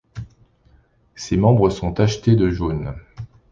Ses membres sont tachetés de jaune.